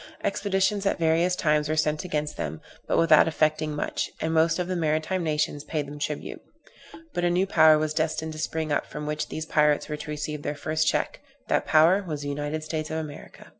Expeditions at various times were sent against them, but without effecting much; and most of the maritime nations paid them tribute. But a new power was destined to spring up, from which these pirates were to receive their first check; that power was the United States of America.